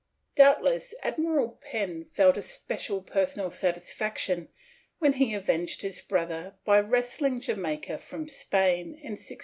^ Doubtless Admiral Penn felt a special personal satisfaction, when he avenged his brother by wresting Jamaica from Spain in 1655.